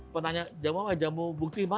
penanya jamu apa jamu bukti mana